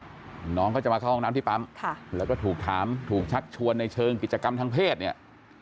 น้องเขาจะมาเข้าห้องน้ำที่ปั๊มค่ะแล้วก็ถูกถามถูกชักชวนในเชิงกิจกรรมทางเพศเนี่ย